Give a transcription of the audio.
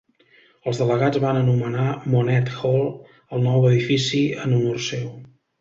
Els delegats van anomenar Monnett Hall el nou edifici en honor seu.